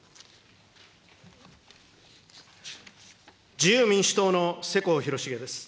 自由民主党の世耕弘成です。